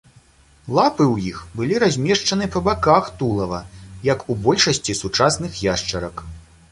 Лапы ў іх былі размешчаны па баках тулава, як у большасці сучасных яшчарак.